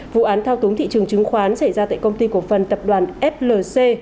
vụ án thao túng thị trường chứng khoán xảy ra tại công ty cổ phần tập đoàn flc